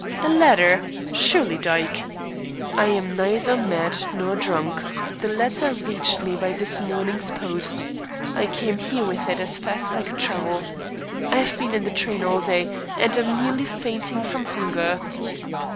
"A letter. Surely, Dyke " "I am neither mad nor drunk. The letter reached me by this morning's post. I came here with it as fast as I could travel. I have been in the train all day, and am nearly fainting from hunger."